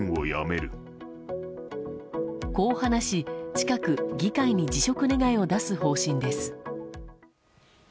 こう話し、近く議会に辞職願を出す方針です。